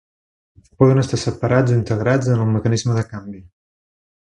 Poden estar separats o integrats en el mecanisme de canvi.